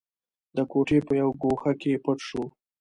د کوټې په يوه ګوښه کې پټ شو.